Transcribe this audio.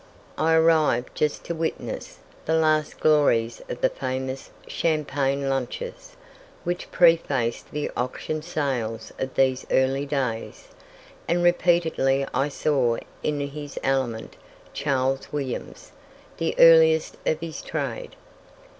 I arrived just to witness the last glories of the famous champagne lunches, which prefaced the auction sales of these early days, and repeatedly I saw in his element Charles Williams, the earliest of his trade.